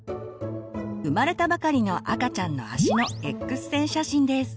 生まれたばかりの赤ちゃんの足のＸ線写真です。